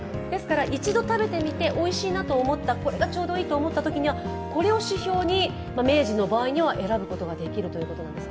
一度食べてみて、おいしいなと思った、これがちょうどいいと思ったときには、これを指標に明治の場合には選ぶことができるということです。